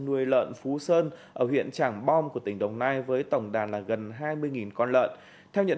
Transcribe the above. nuôi lợn phú sơn ở huyện trảng bom của tỉnh đồng nai với tổng đàn là gần hai mươi con lợn theo nhận